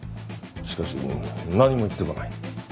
しかし何も言ってこない。